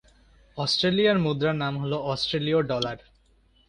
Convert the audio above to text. অস্ট্রেলিয়ার মুদ্রার নাম হল অস্ট্রেলীয় ডলার।